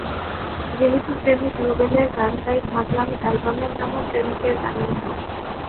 যেহেতু প্রেমিক রুবেলের গান, তাই ভাবলাম, অ্যালবামের নামও প্রেমিকের গানই হোক।